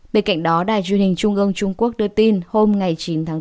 bên cạnh đó đài truyền hình trung ương trung quốc đưa tin hôm chín tháng bốn